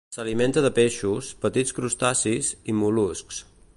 S'alimenta de peixos, petits crustacis i mol·luscs.